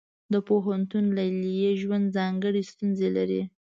د پوهنتون لیلیې ژوند ځانګړې ستونزې لري.